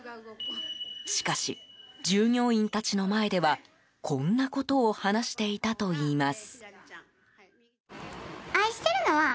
しかし、従業員たちの前ではこんなことを話していたといいます。